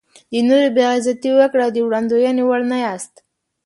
د نورو بې عزتي وکړئ او د وړاندوینې وړ نه یاست.